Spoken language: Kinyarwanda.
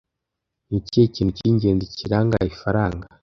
Ni ikihe kintu cy'ingenzi kiranga ifaranga